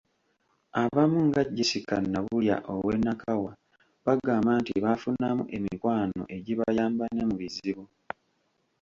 Abamu nga Jesca Nabulya ow’e Nakawa, bagamba nti baafunamu emikwano egibayamba ne mu bizibu.